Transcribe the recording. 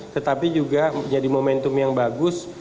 tetapi juga menjadi momentum yang bagus